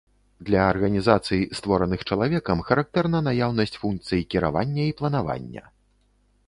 Для арганізацый, створаных чалавекам, характэрна наяўнасць функцый кіравання і планавання.